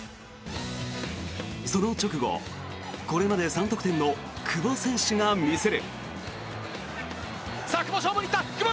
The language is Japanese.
その直後、これまで３得点の久保選手が見せる。